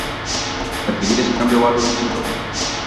Percibides que cambiou algo dende entón?